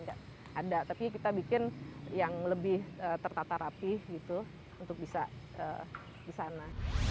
nggak ada tapi kita bikin yang lebih tertata rapih gitu untuk bisa di sana